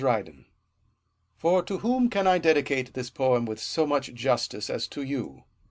FOR to whom can I dedicate this poem with so much justice as to you?